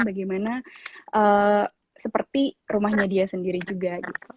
bagaimana seperti rumahnya dia sendiri juga